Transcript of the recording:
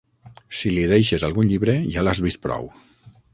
Si li deixes algun llibre, ja l'has vist prou!